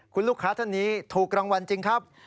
คุณลูกค้าท่านนี้ถูกรางวัลจริงครับ